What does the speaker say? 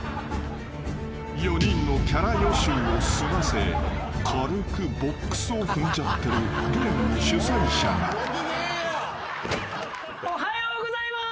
［４人のキャラ予習を済ませ軽くボックスを踏んじゃってるゲームの主催者が］おはようございます。